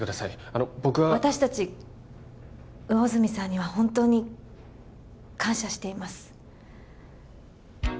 あの僕は私達魚住さんには本当に感謝しています